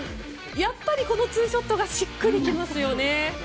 やっぱりこのツーショットがしっくりきますよね。